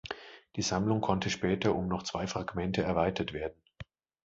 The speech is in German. Die Sammlung konnte später um noch zwei Fragmente erweitert werden.